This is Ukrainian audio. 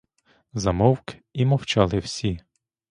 Замовк і мовчали всі.